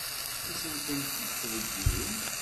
Ad sent-tent-id-theggi?